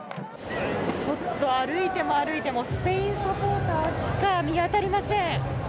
歩いても歩いてもスペインサポーターしか見当たりません。